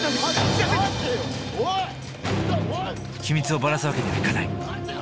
秘密をばらすわけにはいかない。